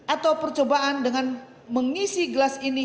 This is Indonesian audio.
atau percobaan dengan mengisi gelas ini